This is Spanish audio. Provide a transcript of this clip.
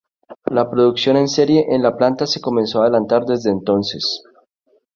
La producción en serie en la planta se comenzó a adelantar desde entonces.